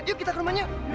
yuk kita ke rumahnya